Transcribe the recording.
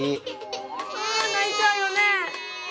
あ泣いちゃうよね。